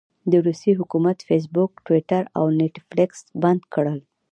د روسيې حکومت فیسبوک، ټویټر او نیټفلکس بند کړل.